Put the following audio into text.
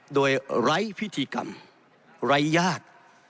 โดยไร้พิธีกรรมใระยาก